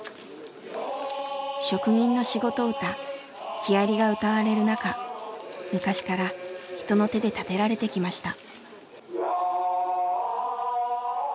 職人の仕事歌「木遣り」が歌われる中昔から人の手で建てられてきました。